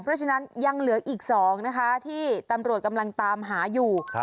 เพราะฉะนั้นยังเหลืออีก๒นะคะที่ตำรวจกำลังตามหาอยู่